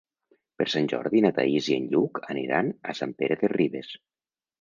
Per Sant Jordi na Thaís i en Lluc aniran a Sant Pere de Ribes.